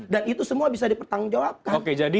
dan itu semua bisa dipertanggungjawabkan